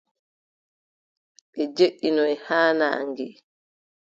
Ɓe joʼinoyi haa naange.